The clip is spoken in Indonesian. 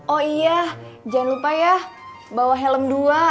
oh iya jangan lupa ya bawa helm dua